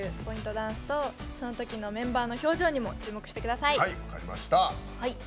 ダンスとそのときのメンバーの表情にも注目してください。